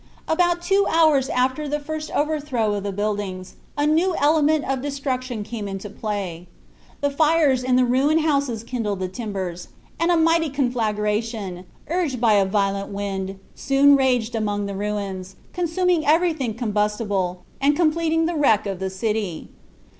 About two hours after the first overthrow of the buildings, a new element of destruction came into play. The fires in the ruined houses kindled the timbers, and a mighty conflagration, urged by a violent wind, soon raged among the ruins, consuming everything combustible, and completing the wreck of the city.